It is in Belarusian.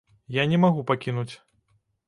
Я не магу пакінуць.